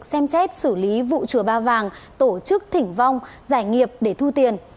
xem xét xử lý vụ chùa ba vàng tổ chức thỉnh vong giải nghiệp để thu tiền